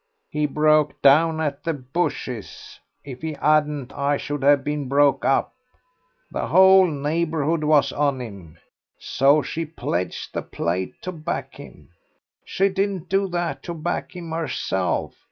"He broke down at the bushes. If he hadn't I should have been broke up. The whole neighbourhood was on him. So she pledged the plate to back him. She didn't do that to back him herself.